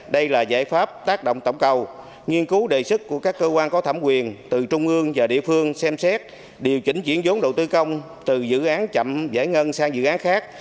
đây là giải pháp tác động tổng cầu nghiên cứu đề xuất của các cơ quan có thẩm quyền từ trung ương và địa phương xem xét điều chỉnh chuyển giống đầu tư công từ dự án chậm giải ngân sang dự án khác